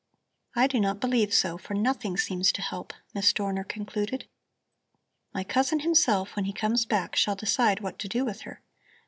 "I do not believe so, for nothing seems to help," Miss Dorner concluded. "My cousin himself, when he comes back, shall decide what to do with her.